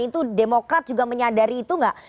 itu demokrat juga menyadari itu nggak